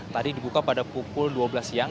tadi dibuka pada pukul dua belas siang